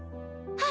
はい！